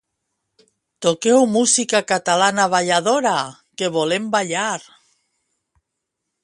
Toqueu música catalana balladora, que volem ballar!